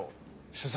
取材？